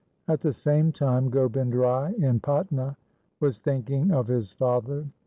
At the same time Gobind Rai in Patna was thinking of his father.